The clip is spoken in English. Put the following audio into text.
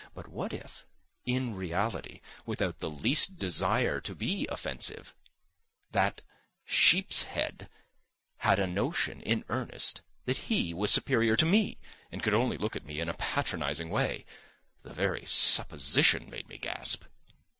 But what if, in reality, without the least desire to be offensive, that sheepshead had a notion in earnest that he was superior to me and could only look at me in a patronising way? The very supposition made me gasp.